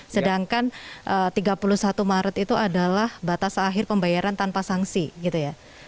sedangkan tiga puluh satu maret itu adalah batas akhir pembayaran tanpa sanksi gitu ya